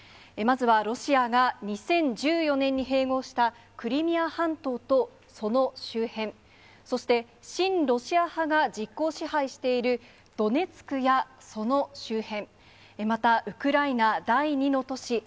まずはロシアが２０１４年に併合したクリミア半島と、その周辺、そして親ロシア派が実効支配しているドネツクやその周辺、またウクライナ第２の都市